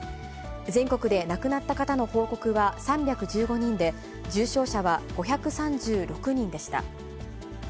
全国で亡くなった方の報告は３１５人で、重症者は５３６人でした。